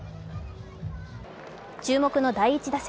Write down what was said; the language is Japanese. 注目の第１打席。